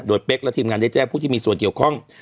โดยเป๊กและทีมงานได้แจ้งผู้ที่มีส่วนเกี่ยวข้อง